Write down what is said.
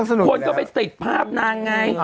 คนก็ไปติดภาพนางไง